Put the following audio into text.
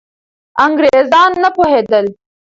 انګریزان نه پوهېدل.